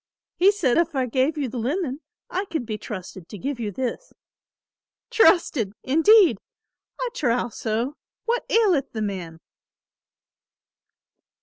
He said if I gave you the linen I could be trusted to give you this. 'Trusted,' indeed! I trow so; what aileth the man?"